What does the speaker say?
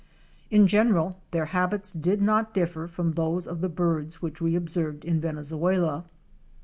In general, their habits did not differ from those of the birds which we observed in Venezuela.